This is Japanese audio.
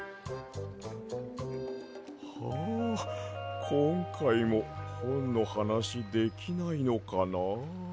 はこんかいもほんのはなしできないのかな。